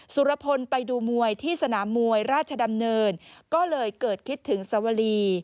สุรพลไปดูมวยที่สนามมวยราชดำเนินก็เลยเกิดคิดถึงสวรี